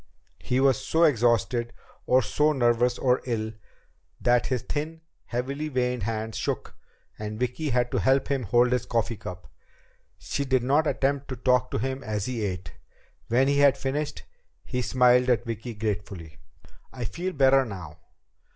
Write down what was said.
He was so exhausted, or so nervous or ill, that his thin, heavily veined hands shook, and Vicki had to help him hold his coffee cup. She did not attempt to talk to him as he ate. When he had finished, he smiled at Vicki gratefully. "I feel better now."